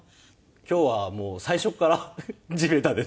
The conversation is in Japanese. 今日はもう最初から地べたです。